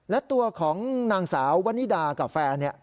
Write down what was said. และตัวของนางสาววันนิดากับแฟน